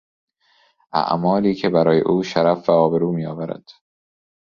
اعمالی که برای او شرف و آبرو میآورد